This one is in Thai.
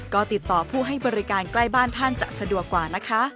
ก็ติดต่อผู้ให้บริการใกล้บ้านท่านจะสะดวกกว่านะคะ